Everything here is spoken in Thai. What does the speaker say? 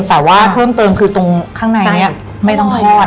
แต่ว่าเพิ่มเติมคือตรงข้างในตรงนี้ไม่ต้องทอด